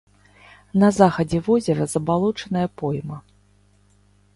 На захадзе возера забалочаная пойма.